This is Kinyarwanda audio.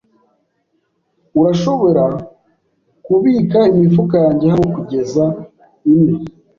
Urashobora kubika imifuka yanjye hano kugeza ine?